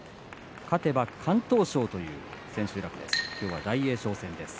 勝てば敢闘賞という千秋楽です。